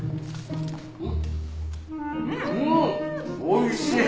おいしい！